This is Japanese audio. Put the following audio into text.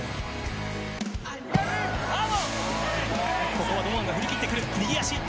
ここは堂安が振り切ってくる。